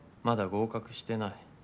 まだ合格してない。